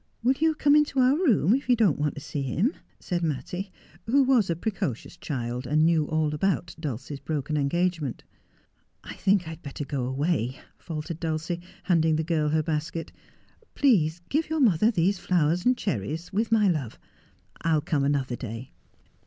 "Will you come into our room, if you don't want to see him ?' said Mattie, who was a precocious child, and knew all about Dulcie's broken engagement. ' I think I'd better go away,' faltered Dulcie, handing the girl her basket ;' please give your mother these flowers and cherries, with my love. I'll come another day.'